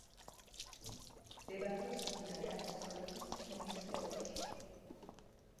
მდებარეობს მდინარე აღმოსავლეთის ფრონის ხეობაში.